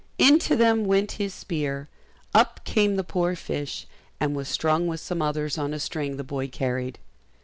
Into them went his spear, up came the poor fish, and was strung with some others on a string the boy carried.